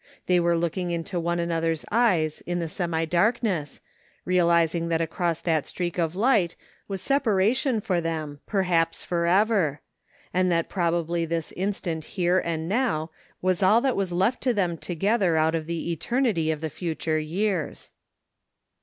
They were looking into one an other's eyes in the semi darkness, realizing that across that streak of light was separation for them, perhaps forever; and that probably this instant here and now was all that was left to them together out of the eternity of the future years.